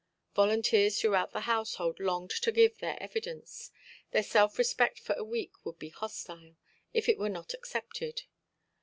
Volunteers throughout the household longed to give their evidence. Their self–respect for a week would be hostile, if it were not accepted.